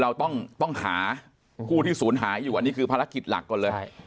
เราต้องหาผู้ที่ศูนย์หายอยู่อันนี้คือภารกิจหลักก่อนเลย